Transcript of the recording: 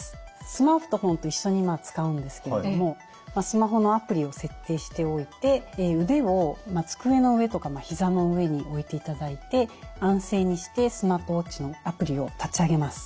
スマートフォンと一緒に使うんですけれどもスマホのアプリを設定しておいて腕を机の上とかひざの上に置いていただいて安静にしてスマートウォッチのアプリを立ち上げます。